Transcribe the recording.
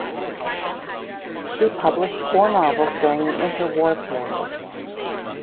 She published four novels during the interwar period.